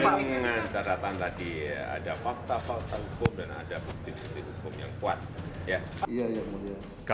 dengan catatan tadi ada fakta fakta hukum dan ada bukti bukti hukum yang kuat